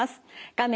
画面